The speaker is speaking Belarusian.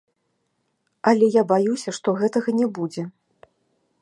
Але я баюся, што гэтага не будзе.